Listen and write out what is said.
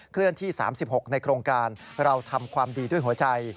เลื่อนที่๓๖ในโครงการเราทำความดีด้วยหัวใจ